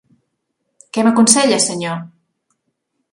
Què m'aconsella, senyor?